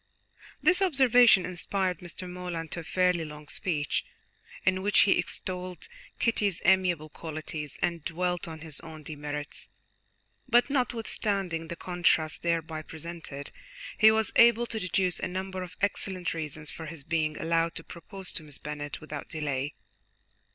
This observation inspired Mr. Morland to a fairly long speech, in which he extolled Kitty's amiable qualities and dwelt on his own demerits, but notwithstanding the contrast thereby presented, he was able to deduce a number of excellent reasons for his being allowed to propose to Miss Bennet without delay.